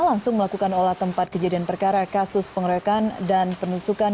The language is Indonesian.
langsung melakukan olah tempat kejadian perkara kasus pengeroyokan dan penusukan